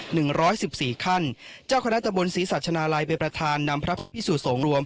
หนึ่งร้อยสิบสี่ขั้นเจ้าคณะตะบนศรีสัชนาลัยเป็นประธานนำพระพิสุสงฆ์รวม